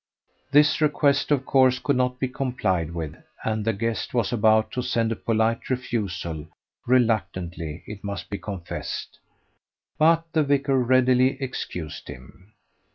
This request of course could not be complied with, and the guest was about to send a polite refusal reluctantly, it must be confessed but the vicar readily excused him.